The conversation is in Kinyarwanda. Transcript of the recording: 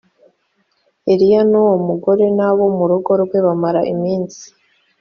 eliya n uwo mugore n abo mu rugo rwe bamara iminsi